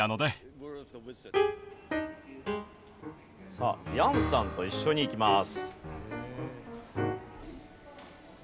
さあヤンさんと一緒に行きます。